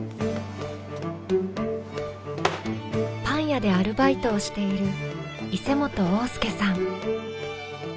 パン屋でアルバイトをしている伊勢本旺亮さん。